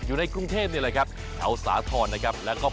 เอาล่ะเดินทางมาถึงในช่วงไฮไลท์ของตลอดกินในวันนี้แล้วนะครับ